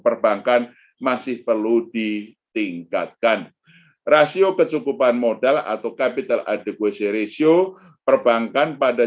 perbankan masih perlu ditingkatkan rasio kecukupan modal atau capital adeguation ratio perbankan pada